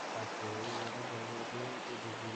খোলা দরজা দিয়া কে ঘরে ঢুকিল।